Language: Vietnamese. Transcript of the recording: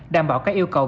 đảm bảo các yêu cầu